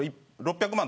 ６００万